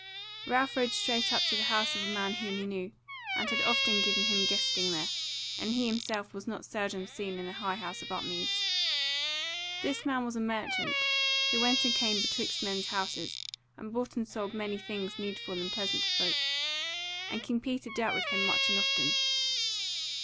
Ralph rode straight up to the house of a man whom he knew, and had often given him guesting there, and he himself was not seldom seen in the High House of Upmeads. This man was a merchant, who went and came betwixt men's houses, and bought and sold many things needful and pleasant to folk, and King Peter dealt with him much and often.